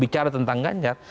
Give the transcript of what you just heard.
bicara tentang ganjar